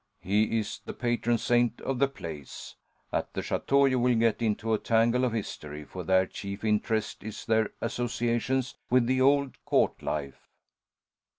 He is the patron saint of the place. At the châteaux you will get into a tangle of history, for their chief interest is their associations with the old court life."